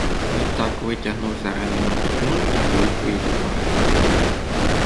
Відтак витягнув з-за ременя тютюн та люльку й закурив.